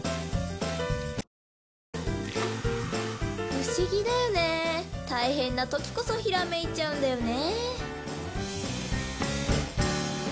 不思議だよね大変な時こそひらめいちゃうんだよね。